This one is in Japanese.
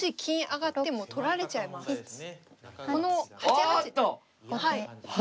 この８八。